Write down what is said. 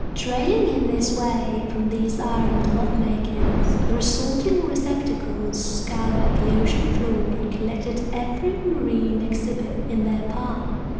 Trailing in this way from these iron glove makers, the resulting receptacles scoured the ocean floor and collected every marine exhibit in their path.